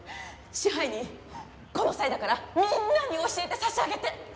支配人この際だからみんなに教えて差し上げて。